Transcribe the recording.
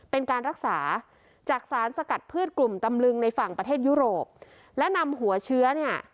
เป็นการรักษาจากสารสกัดพืชกลุ่มตำลึงในฝั่งประเทศยุโรปและนำหัวเชื้อเนี่ย